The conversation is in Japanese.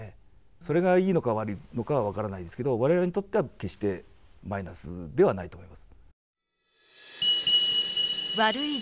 それがいいのか悪いのかは分からないですけど、われわれにとっては決してマイナスではないと思います。